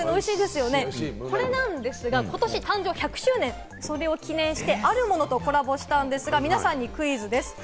これなんですが、ことし誕生１００周年、それを記念してあるものとコラボしたんですが、皆さんにクイズです。